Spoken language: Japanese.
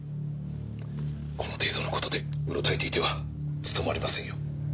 この程度の事でうろたえていては務まりませんよ。